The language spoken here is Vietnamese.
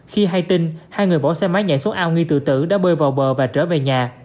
khi hay tin hai người bỏ xe máy nhảy xuống ao nghi tự tử đã bơi vào bờ và trở về nhà